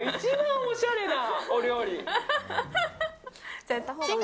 一番おしゃれなお料理。